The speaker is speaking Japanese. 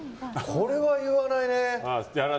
これは言わないね。